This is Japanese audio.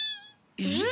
えっ！？